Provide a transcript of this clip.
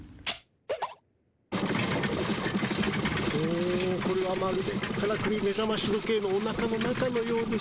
おこれはまるでからくりめざまし時計のおなかの中のようです。